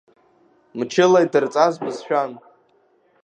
Мчыла идырҵаз бызшәан.